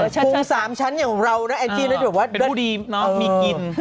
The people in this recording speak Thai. ใช่คุณสามชั้นอย่างเราน่ะแอลทีน่ะถือว่าเป็นผู้ดีนะมีกิน